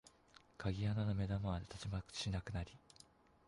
鍵穴の眼玉はたちまちなくなり、